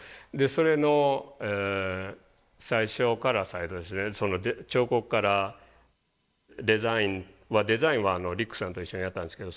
それの最初からその彫刻からデザインはデザインはリックさんと一緒にやったんですけど。